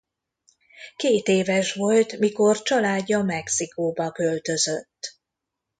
Kétéves volt mikor családja Mexikóba költözött.